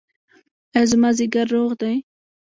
ایا زما ځیګر روغ دی؟